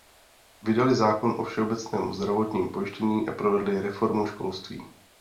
Vydali zákon o všeobecném zdravotním pojištění a provedli reformu školství.